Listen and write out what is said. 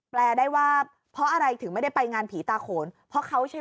ได้ว่าเพราะอะไรถึงไม่ได้ไปงานผีตาโขนเพราะเขาใช่ไหม